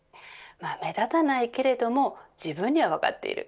目立たないけれども自分には分かっている。